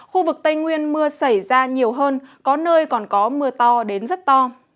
khu vực tây nguyên mưa xảy ra nhiều hơn có nơi còn có mưa to đến rất to